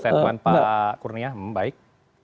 setuan pak kurnia m baik